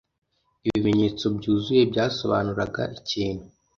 Ibimenyetso byuzuye byasobanuraga ikintu,